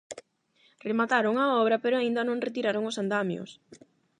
Remataron a obra pero aínda non retiraron os andamios.